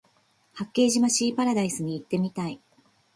八景島シーパラダイスに行ってみたい